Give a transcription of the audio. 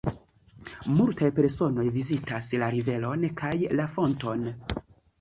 Multaj personoj vizitas la riveron kaj la fonton.